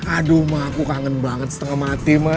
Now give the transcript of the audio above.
aduh ma aku kangen banget setengah mati ma